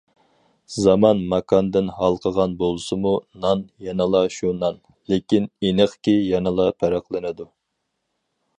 زامان- ماكاندىن ھالقىغان بولسىمۇ، نان يەنىلا شۇ نان، لېكىن، ئېنىقكى يەنىلا پەرقلىنىدۇ.